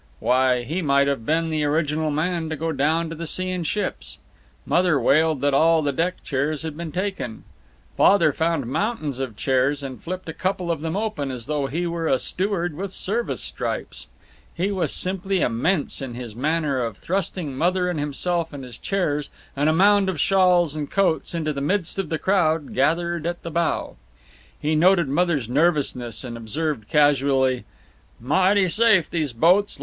Why, he might have been the original man to go down to the sea in ships. Mother wailed that all the deck chairs had been taken; Father found mountains of chairs and flipped a couple of them open as though he were a steward with service stripes. He was simply immense in his manner of thrusting Mother and himself and his chairs and a mound of shawls and coats into the midst of the crowd gathered at the bow. He noted Mother's nervousness and observed, casually, "Mighty safe, these boats.